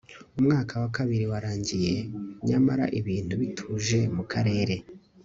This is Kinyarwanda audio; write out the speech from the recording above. umwaka wa kabiri warangiye nyamara ibintu bituje mu karere